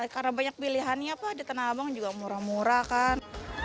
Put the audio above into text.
karena banyak pilihannya pak di tanah abang juga murah murah kan